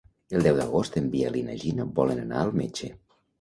El deu d'agost en Biel i na Gina volen anar al metge.